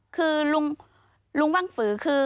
คือลุงว่างฝือคือ